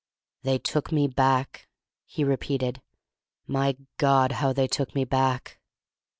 "They took me back," he repeated. "My God, how they took me back!"